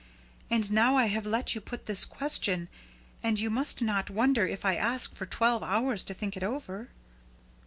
And now I have let you put this question, and you must not wonder if I ask for twelve hours to think it over."